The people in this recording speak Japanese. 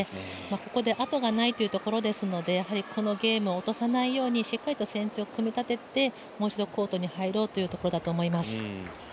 ここであとがないというところですのでこのゲームを落とさないようにしっかり戦術を組み立ててもう一度コートに入ろうというところだと思います。